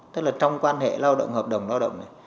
tức là trong quan hệ lao động hợp đồng lao động này